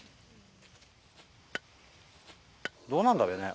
どうなんだべね。